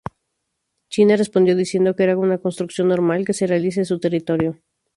China respondió diciendo que era una construcción normal, que se realiza en su territorio.